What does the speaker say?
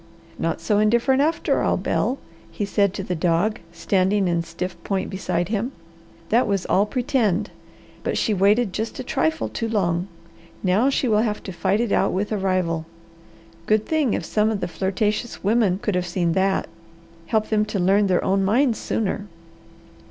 "Not so indifferent after all, Bel," he said to the dog standing in stiff point beside him. "That was all 'pretend!' But she waited just a trifle too long. Now she will have to fight it out with a rival. Good thing if some of the flirtatious women could have seen that. Help them to learn their own minds sooner."